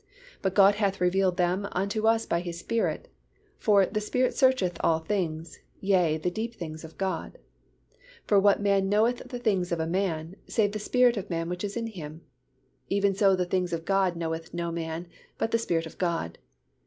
But God hath revealed them unto us by His Spirit: for the Spirit searcheth all things, yea, the deep things of God. For what man knoweth the things of a man, save the spirit of man which is in him? Even so the things of God knoweth no man, but the Spirit of God.